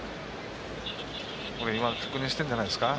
今、確認してるんじゃないですか。